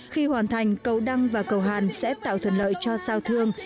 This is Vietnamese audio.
khi hoàn thành cầu đăng và cầu hàn sẽ tạo thuận lợi cho sao thương